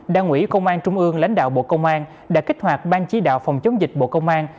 đảng ủy công an trung ương lãnh đạo bộ công an đã kích hoạt ban chỉ đạo phòng chống dịch bộ công an